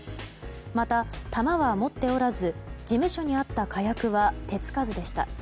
また、弾は持っておらず事務所にあった火薬は手付かずでした。